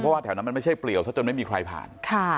เพราะว่าแถวนั้นมันไม่ใช่เปลี่ยวซะจนไม่มีใครผ่าน